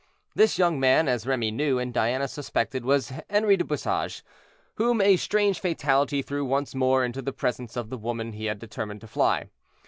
This young man, as Remy knew, and Diana suspected, was Henri du Bouchage, whom a strange fatality threw once more into the presence of the woman he had determined to fly.